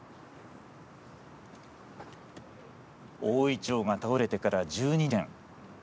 大イチョウが倒れてから１２年。